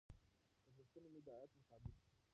لګښتونه مې د عاید مطابق دي.